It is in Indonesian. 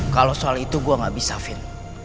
kalau soal itu gue gak bisa fin